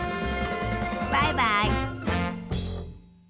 バイバイ。